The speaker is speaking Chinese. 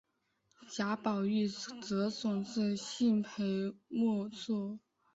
贾宝玉则总是敬陪末座。